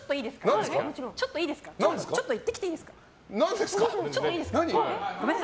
ちょっと行ってきていいですか。